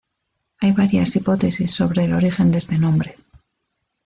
Hay varias hipótesis sobre el origen de este nombre.